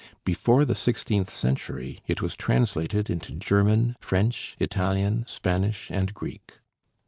Before the sixteenth century it was translated into German, French, Italian, Spanish, and Greek.